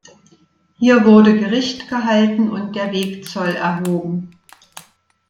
Hier wurde Gericht gehalten und der Wegzoll erhoben.